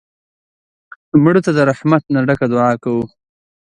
مړه ته د رحمت نه ډکه دعا کوو